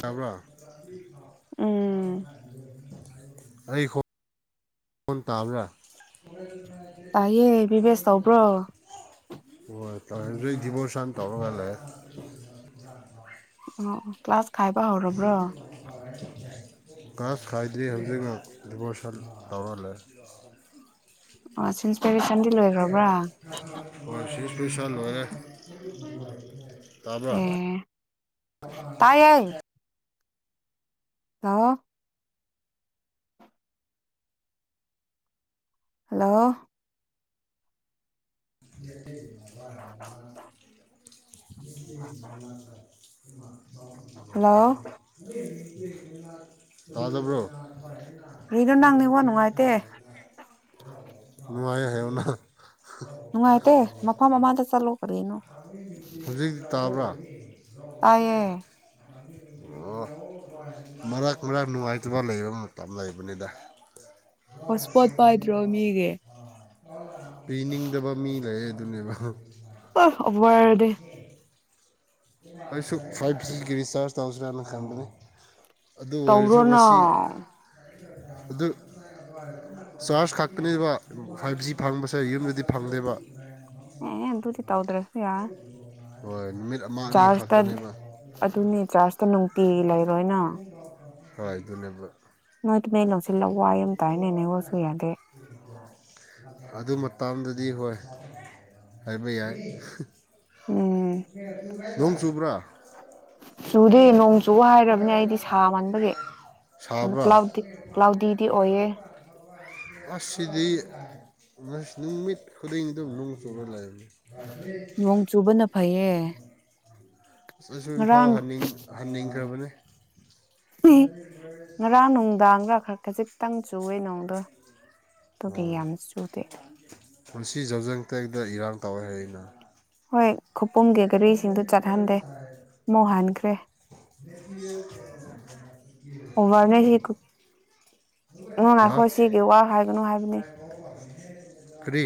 ꯇꯕ꯭ꯔꯣ ꯎꯝ ꯑꯩꯈꯣ ꯐꯣꯟ ꯇꯥꯕ꯭ꯔꯥ ꯇꯥꯏꯌꯦꯦ ꯕꯤꯤꯕꯦꯁ ꯇꯧꯕ꯭ꯔꯣ ꯍ ꯇ ꯗꯤꯃꯣꯁꯟ ꯇꯧꯔꯒ ꯂꯩ [unintelligible] ꯑꯣ ꯀ꯭ꯂꯥꯁ ꯈꯥꯏꯕ ꯍꯧꯔꯕ꯭ꯔꯣ ꯥꯁ ꯈꯥꯏꯗꯤ꯭ꯔꯤ ꯍꯧꯖꯤꯛꯃꯛ ꯔꯤꯚꯣꯔꯁꯟ ꯇꯧꯔꯜꯂꯦ ꯑꯣ ꯀꯦꯔꯤꯁꯟꯗꯤ ꯂꯣꯏꯈ꯭ꯔꯕ꯭ꯔꯥ ꯄꯨꯁꯂꯔꯦ ꯇꯥꯕ꯭ꯔ ꯑꯦ ꯑ ꯍꯜꯂꯣ ꯌꯦ ꯍꯜꯂꯣ ꯇꯥꯖꯕ꯭ꯔꯣ ꯅꯣ ꯅꯪꯅꯦꯕꯣ ꯅꯨꯡꯉꯥꯏꯇ ꯅꯨꯡꯉꯥꯏ ꯍꯥꯏꯅ ꯅꯨꯡꯉꯥꯏꯇꯦ ꯃꯐꯝ ꯑꯃꯥꯡꯗ ꯆꯠꯂꯣ ꯐꯦꯅꯣ ꯍꯧꯖꯤꯛꯇꯤ ꯇꯥꯕ꯭ꯔꯥ ꯇꯌꯦ ꯑꯣ ꯃꯔꯛ ꯃꯔꯛ ꯅꯨꯡꯉꯥꯏꯇꯕ ꯂꯩꯕ ꯃꯇꯝ ꯂꯩꯕꯅꯤꯗ ꯍꯣꯠꯁꯄꯣꯠ ꯄꯥꯏꯗ꯭ꯔꯣ ꯃꯤꯒꯦ ꯄꯤꯅꯤꯡꯗꯕ ꯃꯤ ꯂꯩ ꯑꯗꯨꯅꯦꯕ ꯑ ꯑꯣꯕꯔꯗ ꯑꯩꯁꯨ ꯐꯥꯏꯚ ꯐꯦꯁꯇꯤ ꯔꯔꯤꯁꯆꯥꯔꯖ ꯇꯖꯤꯅ ꯀꯝꯄꯅꯤ ꯑꯗꯨ ꯑꯣꯏꯔꯁꯨ ꯇꯧꯔꯣꯅ ꯃꯁꯤ ꯑꯗꯨ ꯆꯥꯔꯖ ꯈꯛꯛꯇꯅꯦꯕ ꯐꯥꯏꯚ ꯖꯤ ꯐꯪꯕꯁꯦ ꯌꯨꯝꯗꯗꯤ ꯐꯪꯗꯦꯕ ꯑꯦ ꯨꯖꯤ ꯇꯧꯗ꯭ꯔꯦ ꯐꯌꯥ ꯍꯣꯏ ꯅꯨꯃꯤꯠ ꯑꯃ ꯑꯅꯤ ꯆꯥꯔꯖꯇ ꯈꯛꯇꯅꯦꯕ ꯑꯗꯨꯅꯦ ꯆꯥꯔꯖꯇ ꯅꯨꯡꯇꯤ ꯂꯩꯔꯣꯏꯅ ꯍꯣꯏ ꯑꯗꯨꯅꯦꯕ ꯅꯣꯡꯣꯏꯇ ꯃ ꯂ ꯂꯧꯁꯤꯜꯂ ꯋꯥꯏꯝ ꯇꯥꯏꯅꯅꯦ ꯑꯣꯏ ꯁꯨꯌꯥꯗꯦ ꯗꯤ ꯍꯣꯏ ꯍꯥꯏꯕ ꯌꯥꯏ ꯎꯝ ꯍ ꯎ ꯅꯣꯡ ꯆꯨꯕ꯭ꯔꯥ ꯆꯨꯗꯦ ꯅꯣꯡ ꯆꯨ ꯍꯥꯏꯈ꯭ꯔꯔꯕꯅꯦ ꯑꯩꯗꯤ ꯁꯥ ꯁꯥꯕ꯭ꯔꯥ ꯃꯟꯥꯟꯕꯒꯤꯥꯎꯗꯤ ꯀ꯭ꯂꯥꯎꯗꯤꯗꯤ ꯑꯣꯏꯌꯦꯦ ꯑꯁꯤꯗꯤ ꯅꯨꯃꯤꯠ ꯈꯨꯗꯤꯡꯗ ꯅꯨꯡ ꯆꯣꯛꯕ ꯂꯩꯝꯅꯤ ꯅꯣꯡ ꯆꯨꯕꯅ ꯐꯩꯌꯦ ꯍ ꯑꯁ ꯑꯁꯨꯨꯝ ꯏꯝꯐꯥꯎꯅꯤꯡ ꯍꯟꯅꯤꯡꯈ꯭ꯔꯕꯅꯤ ꯉꯔꯥꯡ ꯅꯨꯡꯗꯥꯡꯒ ꯈꯛ ꯈꯖꯤꯛꯇꯪ ꯆꯨꯋꯦ ꯅꯣꯡꯗꯣ ꯑꯗꯨꯒꯤ ꯑꯣ ꯌꯥꯝ ꯆꯨꯗꯦ ꯄꯨꯟꯁꯤ ꯌꯥꯖꯖꯪ ꯇꯥꯏꯗ ꯏꯔꯥꯡ ꯇꯋꯦꯅ ꯍꯣꯏ ꯈꯨꯄꯨꯝꯒꯤ ꯒꯥꯔꯤꯁꯤꯡꯗꯨ ꯆꯠꯍꯟꯗꯦ ꯑꯃꯨꯛ ꯍꯟꯈ꯭ꯔꯦ ꯑꯣꯚꯔꯅꯦ ꯁꯤ ꯅꯣ ꯉꯥꯏꯈꯣ ꯁꯤꯒꯤ ꯋꯥ ꯍꯥꯏꯒꯅꯨ ꯍꯥꯏꯕꯅꯦ ꯑ ꯇꯔꯤ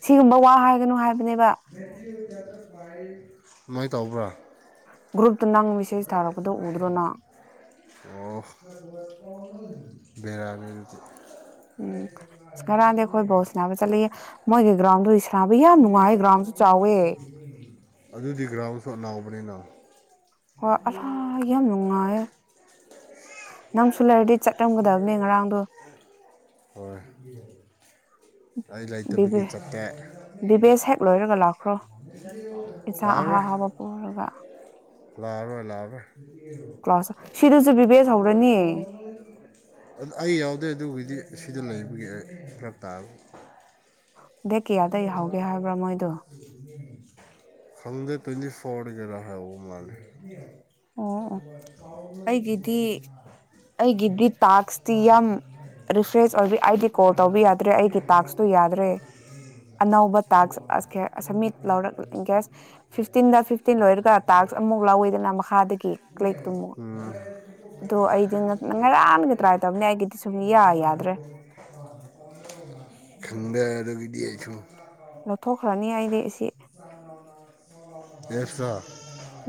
ꯁꯤꯒꯨꯝꯕ ꯋꯥ ꯍꯥꯏꯒꯅꯨ ꯍꯥꯏꯕ ꯃꯦꯁꯖ ꯏ ꯁꯃꯥꯏꯅ ꯇꯧꯕ꯭ꯔꯥ ꯒꯨꯔꯨ ꯑꯣ ꯔꯥꯕꯤꯗꯤ ꯎꯝ ꯑꯁ ꯉꯔꯥꯡꯗꯤ ꯑꯩꯈꯣꯏ ꯕꯣꯜ ꯁꯥꯟꯅꯕ ꯆꯠꯂꯤ ꯃꯣꯏꯒꯤ ꯒ꯭ꯔꯥꯎꯟꯗꯨ ꯁꯥꯟꯅꯕ ꯌꯥꯝ ꯅꯨꯡꯉꯥꯏ ꯒ꯭ꯔꯥꯎꯟꯁꯨ ꯆꯥꯎꯋꯦ ꯑꯗꯨꯗꯤ ꯒ꯭ꯔꯥꯝ ꯁ ꯅꯥꯎꯕꯅꯤꯅ ꯍꯣꯏ ꯑ ꯌꯥꯝ ꯅꯨꯡꯉꯥꯏ ꯅꯪꯁꯨ ꯂꯩꯔꯗꯤ ꯆꯠꯂꯝꯝꯒꯗꯕꯅꯦ ꯉꯔꯥꯡꯗꯣ ꯍꯣꯏ ꯑꯩ ꯕꯤꯕꯦ ꯂꯩꯇꯕꯒꯤ ꯆꯥꯛꯇꯥꯏ ꯕꯤꯕꯦꯁ ꯍꯦꯛ ꯂꯣꯏꯔꯒ ꯂꯥꯛꯈ꯭ꯔꯣ ꯏꯟꯁꯥꯡ ꯑꯍꯥ ꯂꯥꯛꯑꯔꯣꯏ ꯑꯍꯥꯎꯕ ꯄꯨꯔꯒ ꯂꯥꯛꯑꯔꯣꯏ ꯂꯥꯛꯑꯔꯣꯏ ꯀ꯭ꯂꯥꯁ ꯁꯤꯗꯁꯨ ꯕꯤꯕꯦꯁ ꯍꯧꯔꯅꯤ ꯑꯩ ꯌꯥꯎꯗꯦ ꯑꯗꯨꯕꯨꯗꯤ ꯁꯤꯗ ꯂꯩꯕꯒꯤ ꯐꯔꯞ ꯇꯥꯕ ꯗꯦꯠ ꯀꯌꯥꯗꯩ ꯍꯧꯒꯦ ꯍꯥꯏꯕ꯭ꯔꯥ ꯃꯣꯏꯗꯣ ꯍꯪꯗꯦ ꯇ ꯐꯣꯔ ꯔꯥ ꯍꯥꯏ ꯑꯣ ꯃꯥꯜꯂꯤꯦ ꯑꯣ ꯑꯣ ꯑꯩꯒꯤꯗꯤ ꯑꯩꯒꯤꯗꯤ ꯇꯥꯛꯁꯇꯤ ꯌꯥꯝ ꯔꯤꯐ꯭ꯔꯦꯁ ꯑꯣꯏꯕ ꯑꯩꯗꯤ ꯀꯣꯜ ꯇꯧꯕ ꯌꯥꯗ꯭ꯔꯦ ꯑꯩꯒꯤ ꯇꯥꯛꯁꯇꯨ ꯌꯥꯗ꯭ꯔꯦ ꯑꯅꯧꯕ ꯇꯁꯔ ꯏꯟ ꯀꯦꯁ ꯐꯤꯐꯇꯤꯟꯗ ꯐꯤꯐꯇꯤꯟ ꯂꯣꯏꯔꯒ ꯇꯥꯛꯁ ꯑꯃꯨꯛ ꯂꯧꯋꯤꯗꯅ ꯃꯈꯥꯗꯒꯤ ꯂꯩꯛꯇꯨꯝꯃꯣ ꯎꯝ ꯑꯗꯣ ꯑꯩꯗꯤ ꯉꯔꯥꯡꯒ ꯇ꯭ꯔꯥꯏ ꯇꯧꯅꯦ ꯑꯩꯒꯤꯗꯤ ꯁꯨꯝ ꯌꯥꯗ꯭ꯔꯦ ꯌꯦꯁꯨ ꯑꯣ ꯊꯣꯛꯈ꯭ꯔꯅꯤ ꯍꯥꯏꯗꯤ ꯑꯁꯤ ꯑꯦꯞꯁꯇ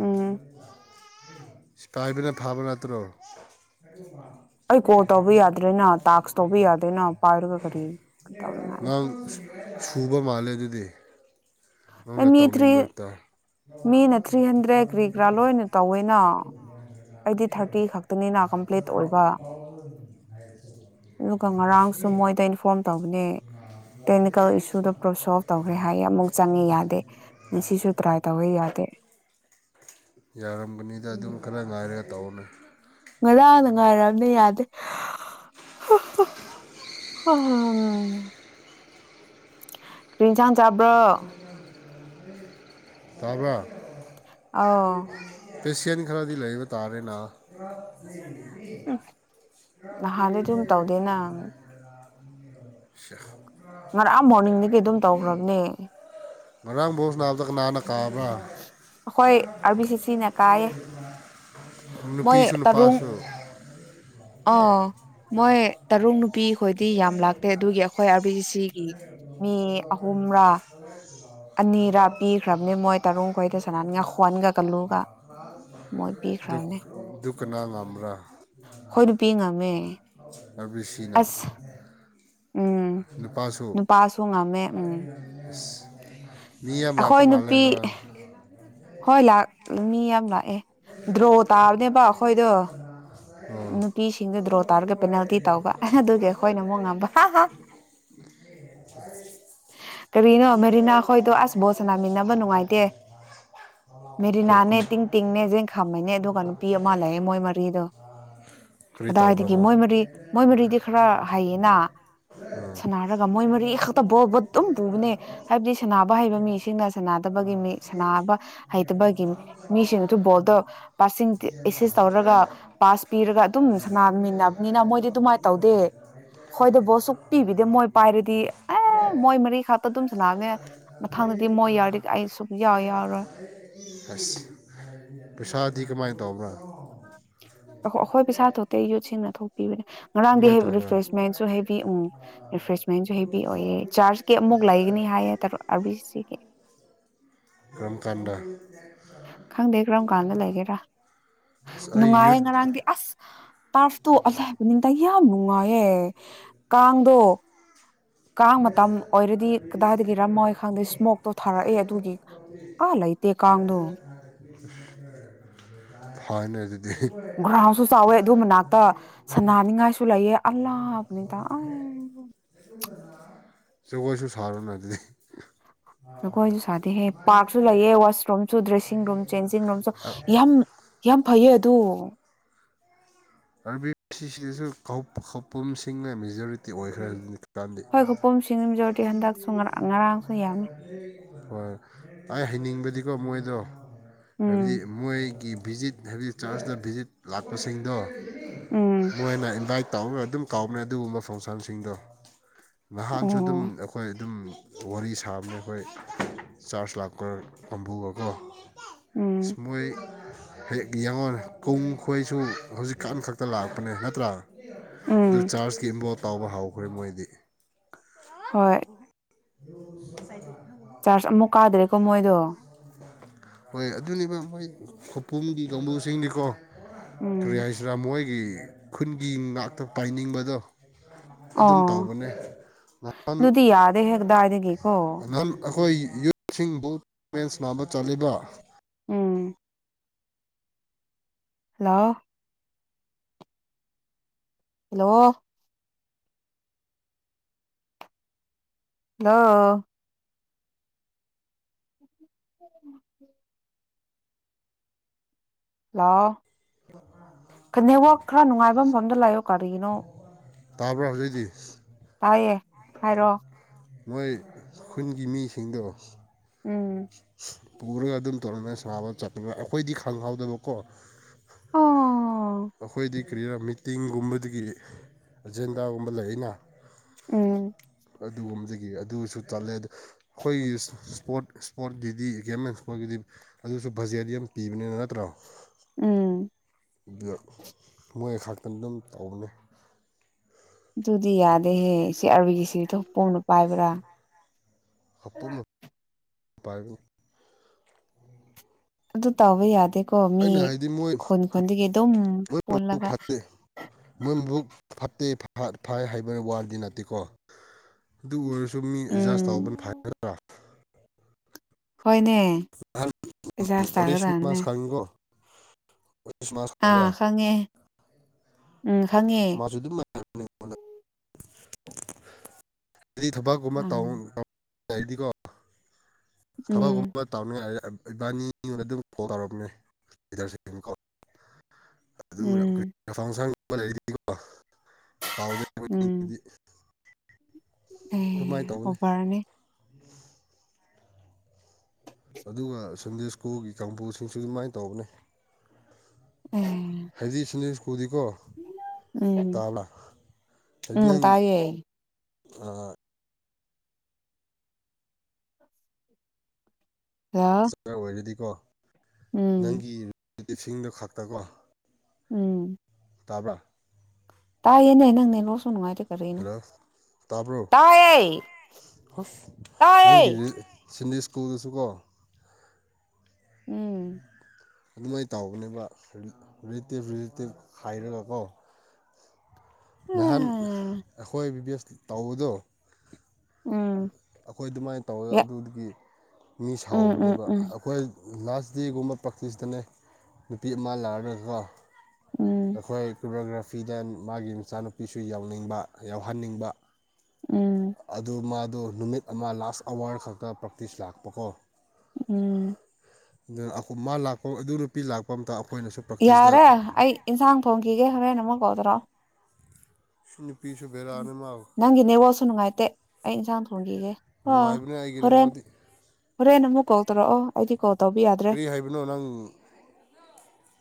ꯎꯝ ꯁꯤꯄꯥꯏꯕꯅ ꯐꯥꯕꯅ ꯇꯔꯣ ꯑꯩ ꯀꯣꯜ ꯇꯧꯕ ꯌꯥꯗ꯭ꯔꯦꯅ ꯇꯥꯛꯁ ꯇꯧꯕ ꯌꯥꯗ꯭ꯔꯦꯅ ꯄꯥꯏꯔꯒ ꯀꯔꯤ ꯉ ꯇꯧꯅꯤꯡꯉꯥꯏ ꯁꯨꯕ ꯃꯥꯂ ꯑꯗꯨꯗ ꯑꯦ ꯃꯤ ꯊ꯭ꯔꯤ ꯃꯤꯅ ꯊ꯭ꯔꯤ ꯍꯟꯗ꯭ꯔꯦꯠ ꯀ꯭ꯔꯤꯒ꯭ꯔꯥ ꯂꯣꯏꯅ ꯇꯧꯋꯦꯅ ꯑꯩꯗꯤ ꯊꯥꯔꯇꯤ ꯈꯛꯇꯅꯤꯅ ꯀꯝꯄ꯭ꯂꯤꯠ ꯑꯣꯏꯕ ꯑꯗꯨꯒ ꯉꯔꯥꯡꯁꯨ ꯃꯣꯏꯗ ꯏꯟꯐꯣꯔꯝ ꯇꯧꯕꯅꯦ ꯇꯦꯛꯅꯤꯀꯦꯜ ꯏꯁꯨꯗ ꯄꯣ ꯁꯣꯜ ꯇꯧꯈ꯭ꯔꯦ ꯍꯥꯏꯌꯦ ꯑꯃꯨ ꯆꯪꯉꯤ ꯌꯥꯗꯦ ꯁꯤꯁꯨ ꯇ꯭ꯔꯥꯏ ꯇꯧꯋ ꯌꯥꯗꯦ ꯗ ꯑꯗꯨꯝ ꯈꯔ ꯉꯥꯏꯔꯒ ꯇꯧꯅꯤ ꯉꯔꯥꯡꯅ ꯉꯥꯏꯔꯑꯝꯗꯤ ꯌꯥꯗꯦ ꯟꯁꯥꯡ ꯆꯥꯕ꯭ꯔꯣ ꯇꯥꯕ ꯑꯧ [inaudible] ꯄꯦꯁꯤꯌꯥꯅꯤ ꯈꯔꯗꯤ ꯂꯩꯕ ꯇꯥꯔꯦꯅ [inaudible] ꯅꯍꯥꯟꯗꯤ ꯑꯗꯨꯝ ꯇꯧꯗꯦꯅ ꯁꯍ ꯉꯔꯥꯡꯑ ꯃꯣꯔꯅꯤꯡꯗꯒꯤ ꯑꯗꯨꯝ ꯇꯧꯈ꯭ꯔꯕꯅꯦ ꯉꯔꯥꯡ ꯕꯣꯁ ꯅꯥꯕꯗꯒ ꯅꯥꯟꯅ ꯀꯥꯕ꯭ꯔꯥ ꯑꯩꯈꯣꯏ ꯑꯥꯔ ꯕꯤ ꯁꯤ ꯁꯤꯅ ꯀꯥꯏꯌꯦ ꯃꯣꯏ ꯅꯨꯄꯤꯁꯨ ꯇꯔꯨꯡ ꯅꯨꯄꯥꯁꯨ ꯑꯥ ꯃꯣꯏ ꯇꯔꯨꯛ ꯅꯨꯄꯤ ꯈꯣꯏꯗꯤ ꯌꯥꯝ ꯂꯥꯛꯇꯦ ꯑꯗꯨꯒꯤ ꯑꯩꯈꯣꯏ ꯑꯥꯔꯕꯤꯁꯤꯒꯤ ꯃꯤ ꯑꯍꯨꯝꯔꯥ ꯑꯅꯤꯔꯥ ꯄꯤꯈ꯭ꯔꯕꯅꯤ ꯃꯣꯏ ꯇꯔꯨ ꯈꯣꯏꯗ ꯁꯅꯥꯟꯒ ꯍ꯭ꯋꯥꯟꯒ ꯀꯥꯜꯂꯨꯒ ꯃꯣꯏ ꯄꯤꯈ꯭ꯔꯕꯅꯦ ꯑꯗꯨ ꯀꯅꯥ ꯉꯝꯕ꯭ꯔꯥ ꯑꯥꯔ ꯍꯣꯏꯗꯨ ꯄꯤ ꯉꯝꯃꯦ ꯑꯦ ꯁꯤꯅ ꯑꯁ ꯎꯝ ꯅꯨꯄꯥꯁꯨ ꯅꯨꯄꯥꯁꯨ ꯉꯝꯃꯦ ꯎꯝ ꯃꯤ ꯌꯥꯝ ꯂꯥꯛꯄ ꯑꯩꯈꯣꯏ ꯃꯥꯜꯂꯦ ꯅꯨꯄꯤ ꯈꯔ ꯍꯣꯏ ꯂꯥꯛ ꯃꯤ ꯌꯥꯝ ꯂꯥꯛꯑꯦ ꯗ꯭ꯔꯣ ꯇꯥꯕꯅꯦꯕ ꯑꯩꯈꯣꯏꯗꯣ ꯑꯥ ꯅꯨꯄꯤꯁꯤꯡꯗ ꯗ꯭ꯔꯣ ꯇꯥꯔꯒ ꯄꯦꯅꯥꯜꯇꯤ ꯇꯧꯕ ꯑꯗꯨꯒꯤ ꯑꯩꯈꯣꯏꯅ ꯑꯃꯨꯛ ꯉꯝꯕ ꯀꯔꯤꯅꯣ ꯃꯦꯔꯤꯅꯥꯈꯣꯏꯗꯣ ꯑꯁ ꯕꯣꯠ ꯁꯥꯟꯅꯥꯃꯤꯟꯅꯕ ꯅꯨꯡꯉꯥꯏꯇꯦ ꯃꯦꯔꯤꯅꯥꯅꯦ ꯇꯤꯡ ꯇꯤꯡꯅꯦ ꯌꯦꯖꯦꯡꯈꯥꯝꯃꯅꯦ ꯑꯗꯨꯒ ꯅꯨꯄꯤ ꯑꯃ ꯂꯩꯌꯦꯦ ꯃꯣꯏ ꯃꯔꯤꯗꯣ ꯀꯔꯤ ꯇꯧꯕ꯭ꯔꯥ ꯀꯗꯥꯏꯗꯒꯤ ꯃꯣꯏ ꯃꯔꯤ ꯃꯣꯏ ꯃꯔꯤꯗꯤ ꯈꯔ ꯍꯩꯌꯦꯅ ꯑꯥ ꯁꯅꯔꯒ ꯃꯣꯏ ꯃꯔꯤ ꯈꯛꯇ ꯕꯣꯜꯕꯨ ꯑꯗꯨꯝ ꯄꯨꯕꯅꯦ ꯍꯥꯏꯕꯗꯤ ꯁꯅꯕ ꯍꯩꯕ ꯃꯤꯁꯤꯡꯅ ꯁꯥꯟꯅꯗꯕꯒꯤ ꯃꯤ ꯁꯅꯕ ꯍꯩꯇꯕꯒꯤ ꯃꯤꯁꯤꯡꯗꯨꯁꯨ ꯕꯣꯜꯗꯣ ꯄꯁꯤꯡ ꯑꯦꯁꯤꯁ ꯇꯧꯔꯒ ꯄꯥꯁ ꯄꯤꯔꯒ ꯑꯗꯨꯝ ꯁꯥꯟꯅꯃꯤꯟꯅꯕꯅꯤꯅ ꯃꯣꯏꯗꯤ ꯑꯗꯨꯃꯥꯏꯅ ꯇꯧꯗꯦ ꯍꯣꯏꯗꯕꯨꯣ ꯑ ꯁꯨꯛ ꯄꯤꯕꯤꯗ ꯃꯣꯏ ꯄꯥꯏꯔꯗꯤ ꯑꯦ ꯃꯣꯏ ꯃꯔꯤꯈꯥꯛꯛꯇ ꯑꯗꯨꯝ ꯁꯅꯥꯑꯅꯦꯦ ꯃꯊꯪꯗꯗꯤ ꯃꯣꯏ ꯌꯥꯎꯔꯤ ꯑꯩ ꯁꯨꯛ ꯌꯥꯎ ꯌꯥꯎꯔꯣꯏ ꯗꯕ꯭ꯔꯥ ꯑꯩꯈꯣꯏ ꯄꯩꯁꯥ ꯊꯣꯛꯇꯦ ꯌꯨꯠꯁꯤꯡꯅ ꯊꯣꯛꯇ ꯏꯕꯅꯦ ꯑꯗꯨꯃꯥꯏꯅ ꯇꯧꯕ꯭ꯔꯥ ꯉꯔꯥꯡꯗꯤꯔꯤꯐ꯭ꯔꯦꯁꯃꯦꯟꯁꯨ ꯍꯕꯤ꯭ꯔꯦꯁꯃꯦꯟꯁꯨ ꯍꯦꯕꯤ ꯑꯣꯏꯌꯦ ꯆꯥꯔꯖ ꯀ ꯑꯃꯨꯛ ꯂꯩꯒꯅꯤ ꯍꯥꯏꯌꯦ ꯀꯔꯝ ꯀꯥꯟꯗ ꯈꯪꯗꯦ ꯀꯔꯝ ꯀꯥꯟꯗ ꯂꯩꯒꯦꯔꯥ ꯑꯁ ꯑꯩ ꯅꯨꯡꯉꯥꯏꯌꯦ ꯌꯨꯠ ꯉꯔꯥꯡꯗꯤ ꯑꯁ ꯇꯥꯔꯐꯇꯨ ꯑ ꯍꯥꯏꯕ ꯌꯥꯝ ꯅꯨꯡꯉꯥꯏꯌꯦꯦ ꯀꯥꯡꯗꯣ ꯀꯥꯡ ꯃꯇꯝ ꯑꯣꯏꯔꯗꯤ ꯀꯗꯥꯏꯗꯒꯤꯔꯝꯃꯣꯏ ꯈꯪꯗꯦ ꯏꯁꯃꯣꯛꯇꯣ ꯊꯥꯔꯛꯑꯦ ꯑꯗꯨꯒꯤ ꯑꯥ ꯂꯩꯇꯦ ꯀꯥꯡꯗꯣ ꯐꯅ ꯑꯗꯨ ꯒ꯭ꯔꯥꯎꯟꯁꯨ ꯆꯥꯎꯋꯦ ꯑꯗꯨ ꯃꯅꯥꯛꯇ ꯁꯅꯅꯤꯡꯉꯥꯏꯁꯨ ꯂꯩꯑ ꯑꯂꯥꯕꯅꯤ ꯇ ꯆꯒꯣꯏꯁꯨ ꯁꯔꯅ ꯅꯠꯇꯇꯩ ꯑꯈꯣꯏꯁꯨ ꯁꯥꯗꯦꯍꯦ ꯄꯥꯔꯛꯁꯨ ꯂꯩꯑꯦ ꯋꯥꯁꯔꯨꯝꯁꯨ ꯗ꯭ꯔꯦꯁꯤꯡ ꯔꯨꯝ ꯆꯦꯟꯖꯤꯡ ꯔꯨꯝꯁꯨ ꯌꯥꯝ ꯌꯥꯝ ꯐꯩ ꯑꯗꯨ ꯑꯥꯔꯕꯤ ꯁꯤ ꯁꯤꯗꯁꯨ ꯀꯐꯝꯁꯤꯡꯅ ꯃꯦꯖꯣꯔꯤꯇꯤ ꯑꯣꯏꯈ꯭ꯔꯕꯅꯤ ꯍꯣꯏ ꯈꯨꯄꯨꯝ ꯖꯔꯗꯤ ꯍꯟꯗꯛꯁꯨ ꯉꯔꯥꯡ ꯉꯔꯥꯡꯁꯨ ꯌꯥꯅꯤ ꯍꯣꯏ ꯑꯩ ꯍꯩꯅꯤꯡꯕꯗꯤꯀꯣ ꯃꯣꯏꯗꯣ ꯍꯥꯏꯕꯗꯤ ꯎꯝ ꯃꯣꯏꯒꯤ ꯚꯤꯖꯤꯠ ꯍꯥꯏꯕꯗꯤ ꯆꯔꯁꯇ ꯚꯤꯖꯤꯠ ꯂꯥꯛꯄꯁꯤꯡꯗꯣ ꯎꯝ ꯃꯣꯏꯅ ꯏꯕꯥꯏ ꯑꯗꯨꯝ ꯀꯥꯎꯕꯅꯦ ꯑꯗꯨꯒꯨꯝꯕ ꯐꯪꯁꯟꯁꯤꯡꯗꯣ ꯅꯍꯥꯟꯁꯨ ꯑꯗꯨꯝ ꯑꯣ ꯑꯩꯈꯣꯏ ꯑꯗꯨꯝ ꯋꯥꯔꯤ ꯁꯥꯕꯅꯦ ꯑꯩꯈꯣꯏ ꯆꯥꯔꯖ ꯂꯥꯛꯄꯒ ꯐꯝꯕꯨꯔꯒ ꯎꯝ ꯁꯃꯣꯏ ꯍꯦꯛ ꯌꯥꯡꯉꯔꯦ ꯀ ꯈꯣꯏꯁꯨ ꯍꯧꯖꯤꯛ ꯏꯀꯥꯟ ꯈꯛꯇ ꯂꯥꯛꯄꯅꯦ ꯅꯠꯇ꯭ꯔꯥ ꯎꯝ ꯆꯥꯔꯖꯀꯤꯕ ꯐꯥꯎꯕ ꯍꯥꯎꯈ꯭ꯔꯦ ꯃꯣꯏꯗꯤ ꯍꯣꯏ ꯀꯁꯥꯏ ꯆꯥꯔꯖ ꯑꯃꯨꯛ ꯀꯥꯗ꯭ꯔꯦꯀꯣ ꯃꯣꯏꯗꯣ ꯍꯣꯏ ꯑꯗꯨꯅꯦꯕ ꯃꯣꯏ ꯈꯨꯄꯨꯝꯒꯤ ꯀꯥꯡꯕꯨꯁꯤꯡꯗꯤꯀꯣ ꯎꯝ ꯀꯔꯤꯌꯥꯁꯔꯥꯃꯣꯏ ꯈꯨꯟꯒꯤ ꯉꯥꯛꯇ ꯄꯥꯏꯅꯤꯡꯕꯗꯣ ꯑꯗꯨꯝ ꯑꯣ ꯇꯧꯕꯅꯦꯍ ꯗꯦ ꯍꯗꯥꯏꯗꯒꯀꯣ ꯑꯩꯈꯣꯏ ꯌꯨꯠꯁꯤꯡꯕꯨ ꯇꯃꯦꯟꯁ ꯅꯥꯕ ꯆꯠꯂꯤꯕ꯭ꯔꯥ ꯎꯝ ꯍꯜꯂꯣ ꯍꯜꯂꯣ ꯂ ꯎꯝ ꯂ ꯈꯅꯦꯛꯋꯥꯛ ꯈꯔ ꯅꯨꯡꯉꯥꯏꯕ ꯃꯐꯝꯗ ꯂꯥꯛꯌꯑꯣ ꯀꯔꯤꯒꯤꯅꯣ ꯇꯥꯕ꯭ꯔꯥ ꯍꯧꯖꯤꯛꯇꯤ ꯇꯥꯏꯌꯦꯦ ꯍꯥꯏꯔꯣꯑꯣ ꯃꯣꯏ ꯈꯨꯟꯒꯤ ꯃꯤꯁꯤꯡꯗꯣ ꯎꯝ [inaudible] ꯄꯨꯔꯒ ꯑꯗꯨꯝ ꯇꯧꯔꯒ ꯁꯥꯕ ꯆꯠꯄ ꯑꯩꯈꯣꯏꯗꯤ ꯈꯪꯍꯥꯎꯗꯕꯀꯣ ꯑꯣ ꯑꯈꯣꯏꯗꯤ ꯀꯔꯤ ꯃꯤꯇꯤꯡꯒꯨꯝꯕꯗꯒꯤ ꯑꯦꯖꯦꯟꯗꯥꯒꯨꯝꯕ ꯂꯩ ꯑꯩꯅ ꯎꯝ ꯑꯗꯨꯒꯨꯝꯕꯗꯒꯤ ꯑꯗꯨꯁꯨ ꯆꯠꯂꯦ ꯑꯗ ꯑꯩꯈꯣꯏꯒꯤ ꯏꯁꯄꯣꯔꯠ ꯏꯁꯄꯣꯔꯠꯀꯤꯗꯤ ꯒꯦꯝꯃꯦꯟ ꯏꯁꯄꯣꯔꯠꯀꯤꯗꯤ ꯑꯗꯨꯁꯨ ꯕꯖꯦꯠ ꯌꯥꯝ ꯄꯤꯕꯅꯤꯅ ꯅꯠꯇ꯭ꯔꯣ ꯎꯝ ꯑꯗꯨꯒ ꯃꯣꯏ ꯈꯥꯛꯛꯇꯅ ꯑꯗꯨꯝ ꯇꯧꯕꯅꯤ ꯑꯗꯨꯗꯤ ꯌꯥꯗꯦꯍꯦ ꯁꯤ ꯑꯥꯔꯕꯤꯒꯤꯁꯤ ꯊꯣꯛꯄꯣꯡꯅ ꯄꯥꯏꯕ꯭ꯔꯥ ꯍꯥꯄꯝ ꯄꯨꯝ ꯑꯗꯨ ꯇꯕ ꯌꯥꯗꯦꯀꯣ ꯃꯤ ꯑꯩꯅ ꯍꯥꯏꯗꯤ ꯃꯣꯏ ꯈꯣꯟ ꯈꯣꯟꯗꯒꯤ ꯑꯗꯨꯝ ꯃꯣꯏ ꯃꯕꯨꯛ ꯄꯣꯜꯂꯒ ꯐꯠꯇꯦ ꯍꯥꯠ ꯐꯥꯏ ꯍꯥꯏꯕ ꯋꯥꯔꯗꯤ ꯅꯠꯇꯦꯀꯣ ꯑꯗꯨ ꯑꯣꯏꯔꯁꯨ ꯁꯨꯝ ꯃꯤ ꯑꯦꯗꯖꯁ ꯇꯧꯕꯅ ꯎꯝ ꯐꯒꯗ꯭ꯔꯥ ꯍꯣꯏꯅꯦ ꯍ ꯑꯦꯖꯥꯁ ꯇꯥꯒꯗꯕꯅꯦ ꯑꯣꯔꯤꯁꯃꯁ ꯀꯥꯡꯪꯒꯣ ꯃꯔꯥ ꯑꯥ ꯈꯪꯉꯦ ꯎꯝ ꯍꯪꯉꯦ ꯑꯩꯉꯣꯟꯗ ꯍꯥꯏꯗꯤ ꯊꯕꯛꯀꯨꯝꯕ ꯇ ꯎꯝ ꯌꯥꯗꯤ ꯀꯣ ꯎꯝ ꯊꯕꯛꯒꯨꯝꯕ ꯇꯧꯅꯤꯡꯉꯥꯏ ꯏꯕꯥꯅꯤꯉꯣꯟꯗ ꯑꯗꯨꯝ ꯐꯣꯟꯜ ꯇꯧꯔꯝꯅꯦ ꯂꯤꯔꯣ ꯑꯗꯨ ꯎꯝ ꯐ ꯁꯥꯡ ꯃꯔꯤꯗꯤꯀꯣ ꯀꯥꯎꯗ ꯎꯝ [unintelligible] ꯑꯦ ꯑꯣꯕꯥꯔꯅꯦ ꯁꯨꯟꯗꯦꯁꯀꯣꯒꯤ ꯀꯥꯡꯕꯨꯁꯤꯡꯁꯨ ꯑꯗꯨꯃꯥꯏꯅ ꯇꯧꯕꯅꯦ ꯑꯦ ꯍꯥꯏꯗꯤꯁ ꯀꯨꯗꯤꯀꯣ ꯎꯝ ꯇꯥꯕꯂꯥ ꯎꯝ ꯑꯗꯨꯗꯤꯪ ꯇꯥꯏꯌꯦ ꯑ ꯍꯜꯂꯣ ꯔꯥꯗꯤ ꯋꯥ ꯎꯝ ꯅꯪꯒꯤ ꯑꯗꯨꯗꯤ ꯏꯁꯤꯡꯗꯣ ꯈꯛꯇꯀꯣ ꯎꯝ ꯇꯥꯕ꯭ꯔꯥ ꯇꯥꯏ ꯌꯦꯅꯦ ꯅꯪꯅꯤ ꯊꯅ ꯀꯦꯅ ꯍꯜꯂꯣ ꯇꯥꯕ꯭ꯔꯣ ꯇꯥꯌꯦ ꯇꯥꯌꯦ ꯁꯤꯟꯗꯤ ꯁ꯭ꯀꯨꯜꯗꯁꯨꯀꯣ ꯎꯝ ꯑꯗꯨꯃꯥꯏꯅ ꯇꯧꯒꯅꯦꯕ ꯔꯤꯂꯦꯇꯤꯚ ꯔꯤꯂꯦꯇꯤꯚ ꯍꯥꯏꯔꯒꯀꯣ ꯅꯍꯥꯟ ꯎꯝ ꯑꯩꯈꯣꯏ ꯕꯤ ꯚꯁ ꯇꯧꯕꯗꯣ ꯎꯝ ꯑꯩꯈꯣꯏ ꯑꯗꯨꯃꯥꯏꯅ ꯇꯧꯋꯦ ꯌꯥ ꯑꯗꯨꯒꯤ ꯃꯤ ꯎꯝ ꯎꯝ ꯁꯥꯎꯕꯅꯦꯕ ꯎꯝ ꯑꯩꯈꯣꯏ ꯂꯥꯁ ꯗꯦꯒꯨꯝꯕ ꯄ꯭ꯔꯥꯛꯛꯇꯤꯁꯇꯅꯦ ꯅꯨꯄꯤ ꯑꯃ ꯂꯥꯛꯑꯔꯒꯀ ꯎꯝ ꯑꯩꯈꯣꯏ ꯀꯒ꯭ꯔ ꯐꯤꯗꯦꯟ ꯃꯥꯒꯤꯝꯁ ꯏꯆꯥꯅꯨꯄꯤꯁꯨ ꯌꯥꯎꯅꯤꯡꯕ ꯌꯥꯎꯍꯟꯅꯤꯡꯕ ꯎꯝ ꯑꯗꯨ ꯃꯥ ꯑꯗꯣ ꯅꯨꯃꯤꯠ ꯑꯃ ꯂꯥꯁ ꯑꯋꯥꯔ ꯈꯛꯇ ꯄ꯭ꯔꯦꯛꯇꯤꯁ ꯂꯥꯛꯄꯀꯣ ꯎꯝ ꯑꯗꯨꯅ ꯃꯥ ꯂꯥꯛꯄ ꯑꯗꯨ ꯅꯨꯄꯤ ꯂꯥꯛꯄ ꯑꯝꯇ ꯑꯩꯈꯣꯏꯅꯁꯨ ꯄ꯭ꯔꯥꯛꯇꯤꯁꯇ ꯌꯥꯔꯦ ꯑꯩ ꯏꯟꯁꯥꯡ ꯐꯣꯡꯈꯤꯒꯦ ꯍꯣꯔꯦꯟ ꯑꯃꯨꯛ ꯀꯧꯗ꯭ꯔꯣ ꯎꯅꯤ ꯎ ꯅꯪ ꯏꯅꯦꯦ ꯋꯥꯁꯨꯅꯅꯨꯡꯉꯥꯏꯇꯦ ꯑꯩ ꯏꯟꯁꯥꯡ ꯍꯧꯣꯡꯒꯦ ꯅꯨꯡꯉꯥꯏꯕꯅꯦ ꯑꯩꯒꯤꯅꯦꯕꯗꯤ ꯑꯔꯦ ꯅꯃꯛ ꯀꯧ ꯇꯔꯣ ꯑꯣꯗꯤ ꯀꯧ ꯀꯔꯤ ꯍꯥꯏꯕꯅꯣ ꯅꯪ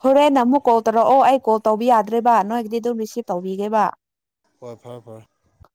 ꯍꯣꯔꯦꯟ ꯑꯃꯨꯛ ꯀꯣꯜ ꯇꯧꯔꯛꯑꯣ ꯑꯩ ꯀꯣꯜ ꯇꯧꯕꯤ ꯌꯥꯗ꯭ꯔꯦꯕ ꯅꯣꯏꯒꯤꯗꯤ ꯑꯗꯨꯝ ꯔꯤꯁꯤꯞ ꯇꯧꯕꯤꯒꯦꯕ ꯍꯣꯏ ꯐꯔꯦ ꯐꯔꯦ